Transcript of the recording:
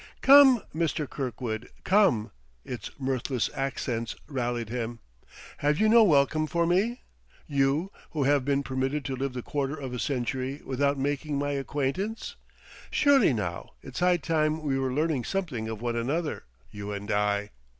"Come, Mr. Kirkwood, come!" its mirthless accents rallied him. "Have you no welcome for me? you, who have been permitted to live the quarter of a century without making my acquaintance? Surely, now, it's high time we were learning something of one another, you and I!"